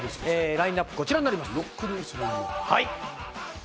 ラインナップはこちらになります。